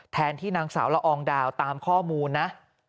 แทนที่นางสาวละอองดาวตามข้อมูลนะ